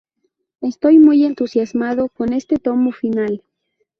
Estoy muy entusiasmado con este tomo final.